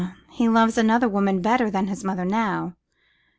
he loves another woman better than his mother now.